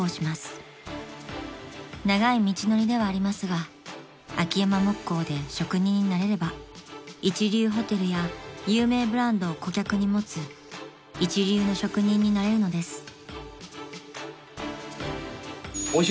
［長い道のりではありますが秋山木工で職人になれれば一流ホテルや有名ブランドを顧客に持つ一流の職人になれるのです］